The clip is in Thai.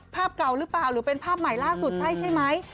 ภาพเก่าหรือเปล่าหรือเป็นภาพใหม่ล่าสุดใช่ใช่ไหม